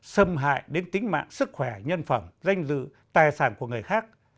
xâm hại đến tính mạng sức khỏe nhân phẩm danh dự tài sản của người khác